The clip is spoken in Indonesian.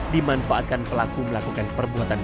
dimanfaatkan pelaku melakukan perbuatan